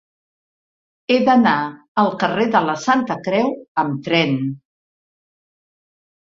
He d'anar al carrer de la Santa Creu amb tren.